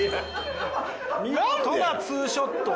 見事なツーショット。